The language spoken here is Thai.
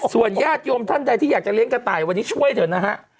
ส่วนญาติโยมท่านใดที่อยากจะเลี้ยกระต่ายวันนี้ช่วยเถอะนะฮะ